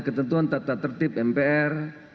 ketentuan tata tertib mpr